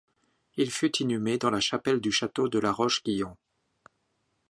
Il fut inhumé dans la chapelle du château de La Roche-Guyon.